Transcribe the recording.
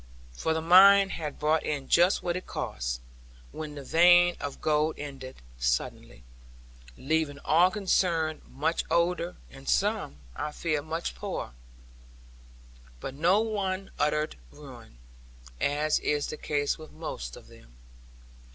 For the mine had brought in just what it cost, when the vein of gold ended suddenly; leaving all concerned much older, and some, I fear, much poorer; but no one utterly ruined, as is the case with most of them.